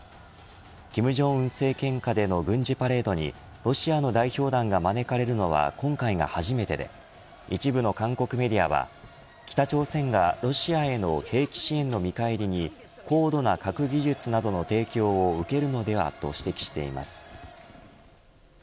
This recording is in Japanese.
金正恩政権下での軍事パレードにロシアの代表団が招かれるのは今回が初めてで一部の韓国メディアは北朝鮮が、ロシアへの兵器支援の見返りに高度な核技術などの提供を受けるのではと指摘しています。